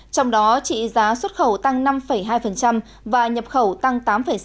trong đó trị giá xuất khẩu tăng năm hai và nhập khẩu tăng tám sáu